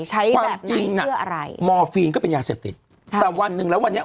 ใช้แบบไหนเพื่ออะไรความจริงนะมอร์ฟีนก็เป็นอย่างเสพติดแต่วันหนึ่งแล้ววันนี้